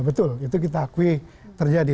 betul itu kita akui terjadi